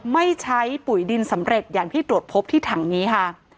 ไม่ใช้ปุ๋ยดินสำเร็จอย่างที่ตรวจพบที่ถังนี้ค่ะ